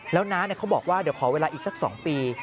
แล้วนะเนี่ยเขาบอกว่าเดี๋ยวขอเวลาอีกสักสองปี